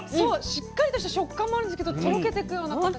しっかりとした食感もあるんですけどとろけてくような形で。